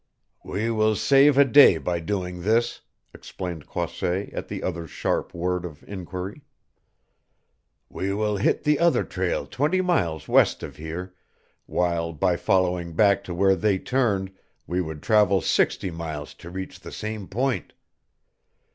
"We will save a day by doing this," explained Croisset at the other's sharp word of inquiry. "We will hit the other trail twenty miles west of here, while by following back to where they turned we would travel sixty miles to reach the same point.